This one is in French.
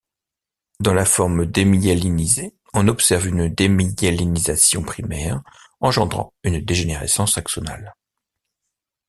Dans la forme démyélinisée on observe une démyélinisation primaire engendrant une dégénérescence axonale.